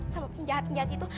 sama penjahat penjahat itu